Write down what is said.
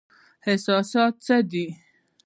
احساسات څه دي؟